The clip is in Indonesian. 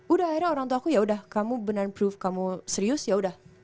udah akhirnya orangtuaku yaudah kamu beneran proof kamu serius yaudah